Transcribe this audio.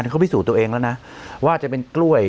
เขาพิสูจน์ตัวเองแล้วนะว่าจะเป็นกล้วย